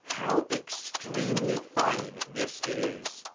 How extremely fine this is!